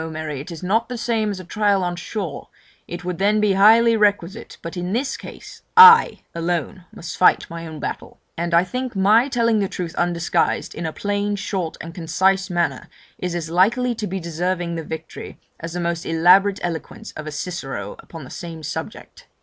Mary it is not the same as a trial on shore; it would then be highly requisite; but, in this case, I alone must fight my own battle; and I think my telling the truth undisguised, in a plain, short, and concise manner, is as likely to be deserving the victory, as the most elaborate eloquence of a Cicero upon the same subject.'